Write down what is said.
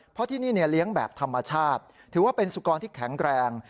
เพราะที่นี่เลี้ยงแบบธรรมชาติถือว่าเป็นสุกรที่แข็งแรง